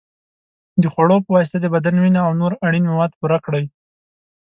د خوړو په واسطه د بدن وینه او نور اړین مواد پوره کړئ.